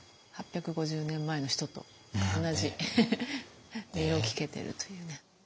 ８５０年前の人と同じ音色を聞けてるというね。